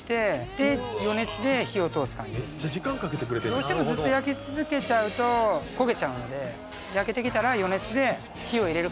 どうしてもずっと焼き続けちゃうと焦げちゃうので焼けてきたら余熱で火を入れる感じです。